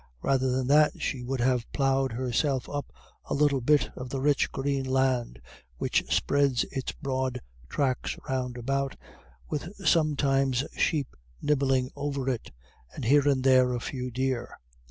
Rather than that she would have ploughed herself up a little bit of the rich green land which spreads in broad tracts round about, with sometimes sheep nibbling over it, and here and there a few deer.